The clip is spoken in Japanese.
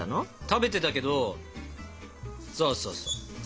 食べてたけどそうそうそう。